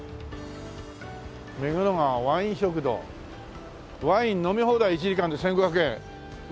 「目黒川ワイン食堂」「ワイン飲み放題１時間で１５００円」どうですか？